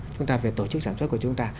chúng ta về tổ chức sản xuất của chúng ta